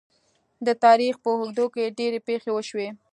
د تاریخ په اوږدو کې ډیرې پېښې وشوې.